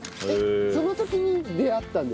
その時に出会ったんですか？